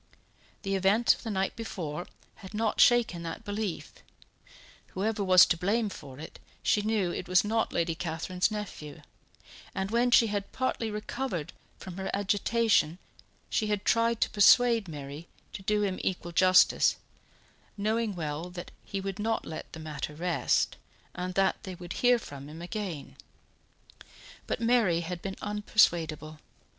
The event of the night before had not shaken that belief; whoever was to blame for it, she knew it was not Lady Catherine's nephew; and when she had partly recovered from her agitation she had tried to persuade Mary to do him equal justice, knowing well that he would not let the matter rest and that they would hear from him again. But Mary had been unpersuadable.